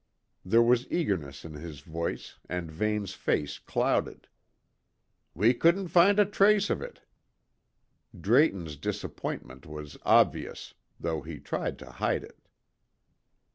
There was eagerness in his voice, and Vane's face clouded. "We couldn't find a trace of it." Drayton's disappointment was obvious, though he tried to hide it.